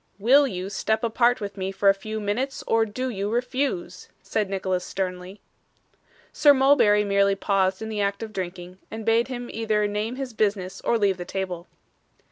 'Will you step apart with me for a few minutes, or do you refuse?' said Nicholas sternly. Sir Mulberry merely paused in the act of drinking, and bade him either name his business or leave the table.